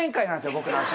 僕の足の。